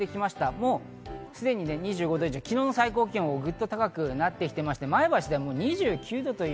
もうすでに２５度以上、昨日の最高気温よりグッと高くなっていて、前橋では２９度。